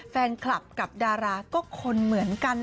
แฟนคลับกับดาราก็คนเหมือนกัน